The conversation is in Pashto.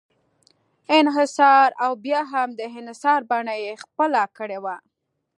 انحصار او بیا هم د انحصار بڼه یې خپله کړې وه.